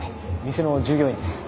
店の従業員です。